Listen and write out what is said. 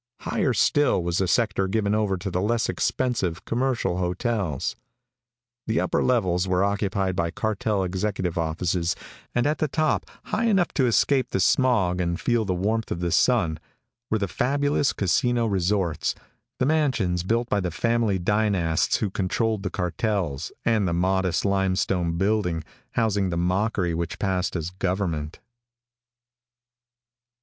Higher still was the sector given over to the less expensive commercial hotels. The upper levels were occupied by cartel executive offices and at the top, high enough to escape the smog and feel the warmth of the sun, were the fabulous casino resorts, the mansions built by the family dynasts who controlled the cartels, and the modest, limestone building housing the mockery which passed as government.